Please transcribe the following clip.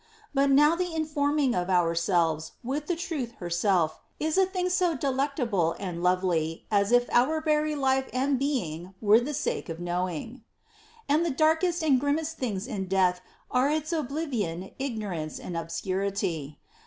But now the informing of ourselves with the truth herself is a thing so delectable and lovely as if our very life and being were for the sake of knowing. And the darkest and grimmest things in death are its oblivion, ignorance, and obscurity.